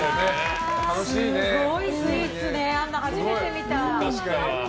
すごいスイーツねアンナの初めて見た。